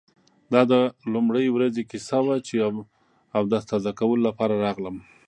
دا د لومړۍ ورځې کیسه وه چې اودس تازه کولو لپاره راغلم.